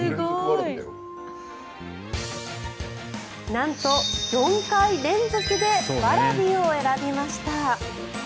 なんと４回連続でわらびを選びました。